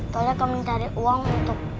tolnya akan minta uang untuk